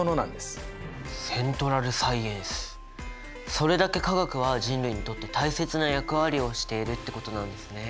それだけ化学は人類にとって大切な役割をしているってことなんですね。